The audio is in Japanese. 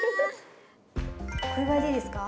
これぐらいでいいですか？